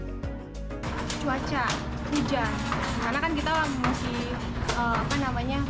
kerupuk mie kuning tidak bisa menyebang sempurna ketika digoreng atau disangrai